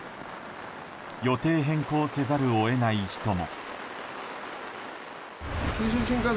予定変更せざるを得ない人も。